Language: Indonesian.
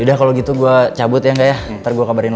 udah kalau gitu gue cabut ya nggak ya ntar gue kabarin